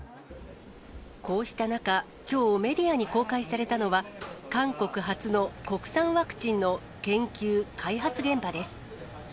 こうした中、きょうメディアに公開されたのは、韓国初の国産ワクチンの研究・開発現場です。